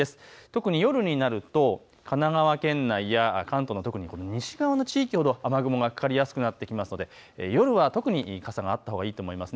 特に夜になると神奈川県内や関東の西側の地域ほど雨雲がかかりやすくなってきて夜は特に傘があったほうがいいと思います。